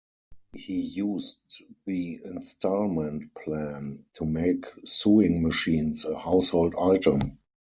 He used the "installment plan" to make sewing machines a household item.